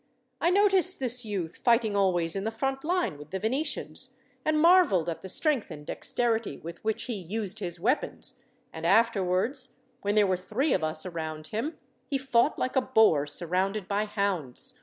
I noticed this youth fighting always in the front line with the Venetians, and marvelled at the strength and dexterity with which he used his weapons, and afterwards, when there were three of us around him, he fought like a boar surrounded by hounds.